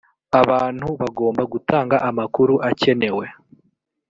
abantu gabomba gutanga amakuru akenewe